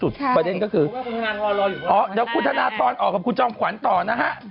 อ๋อเดี๋ยวคุณธนาธรณ์ออกกับคุณจอมขวัญต่อนะฮะ